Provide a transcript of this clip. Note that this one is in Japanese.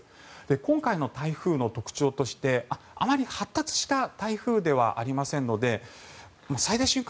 今回の台風の特徴としてあまり発達した台風ではありませんので最大瞬間